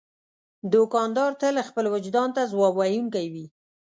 دوکاندار تل خپل وجدان ته ځواب ویونکی وي.